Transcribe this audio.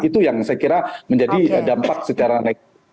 itu yang saya kira menjadi dampak secara negatif